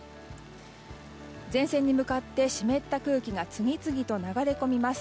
前線に向かって湿った空気が次々と流れ込みます。